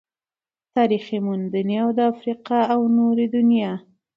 تاريخي موندنې او د افريقا او نورې دنيا